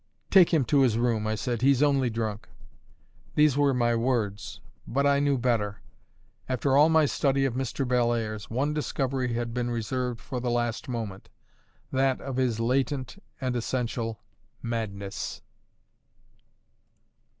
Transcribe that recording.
"Take him to his room," I said, "he's only drunk." These were my words; but I knew better. After all my study of Mr. Bellairs, one discovery had been reserved for the last moment: that of his latent and essential madness.